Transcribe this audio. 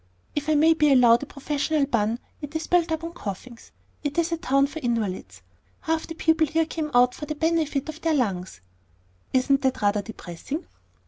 "If I may be allowed a professional pun, it is built up on coughings. It is a town for invalids. Half the people here came out for the benefit of their lungs." "Isn't that rather depressing?"